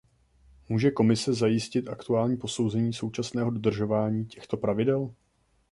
Může Komise zajistit aktuální posouzení současného dodržování těchto pravidel?